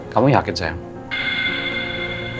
kamu yakin sayang